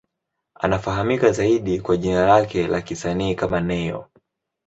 Anafahamika zaidi kwa jina lake la kisanii kama Ne-Yo.